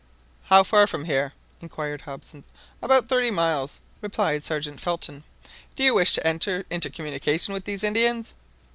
"How far from here?" inquired Hobson. "About thirty miles," replied Sergeant Felton. "Do you wish to enter into communication with these Indians?"